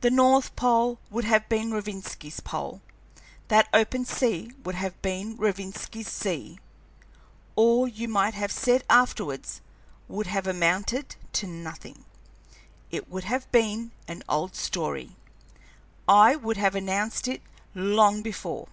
The north pole would have been Rovinski's Pole; that open sea would have been Rovinski's Sea. All you might have said afterwards would have amounted to nothing; it would have been an old story; I would have announced it long before.